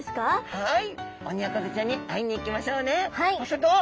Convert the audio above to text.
はい。